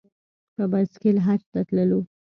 په بایسکل حج ته تللو.